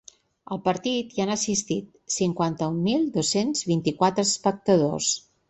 Al partit, hi han assistit cinquanta-un mil dos-cents vint-i-quatre espectadors.